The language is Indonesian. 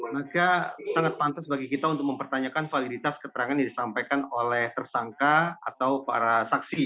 maka sangat pantas bagi kita untuk mempertanyakan validitas keterangan yang disampaikan oleh tersangka atau para saksi